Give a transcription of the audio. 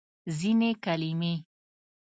ځینې کلمې